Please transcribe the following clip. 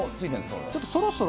こちょっとそろそろ。